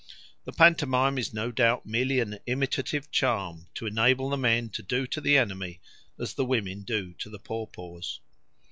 The pantomime is no doubt merely an imitative charm, to enable the men to do to the enemy as the women do to the paw paws.